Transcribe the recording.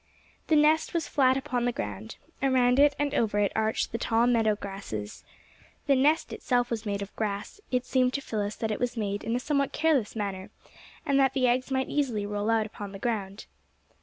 The nest was flat upon the ground. Around it and over it arched the tall meadow grasses. The nest itself was made of grass it seemed to Phyllis that it was made in a somewhat careless manner, and that the eggs might easily roll out upon the ground.